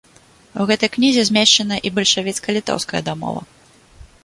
У гэтай кнізе змешчана і бальшавіцка-літоўская дамова.